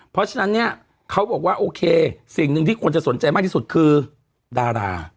เพราะฉะนั้นเนี่ยเขาบอกว่าโอเคสิ่งหนึ่งที่คนจะสนใจมากที่สุดคือดารา